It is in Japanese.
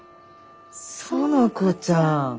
園子ちゃん。